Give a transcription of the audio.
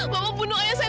bapak membunuh ayah saya